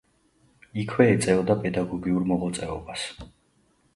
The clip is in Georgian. იქვე ეწეოდა პედაგოგიურ მოღვაწეობას.